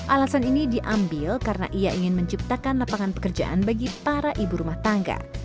alasan ini diambil karena ia ingin menciptakan lapangan pekerjaan bagi para ibu rumah tangga